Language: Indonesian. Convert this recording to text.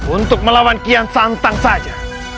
untuk melawan kian santang saja